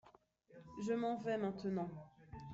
Je m’en vais maintenant.